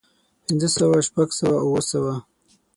پنځۀ سوه شپږ سوه اووه سوه